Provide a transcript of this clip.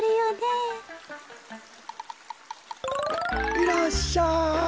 いらっしゃい。